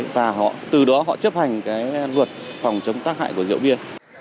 và từ đó họ chấp hành luật phòng chống tác hại của rượu bia